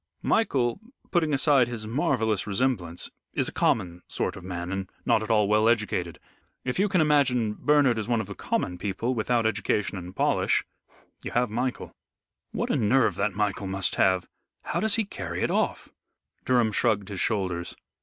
Michael, putting aside his marvellous resemblance, is a common sort of man and not at all well educated. If you can image Bernard as one of the common people, without education and polish, you have Michael." "What a nerve that Michael must have. How does he carry it off?" Durham shrugged his shoulders.